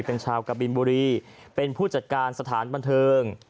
เป็นชาวกะบินบุรีเป็นผู้จัดการสถานบันเทิง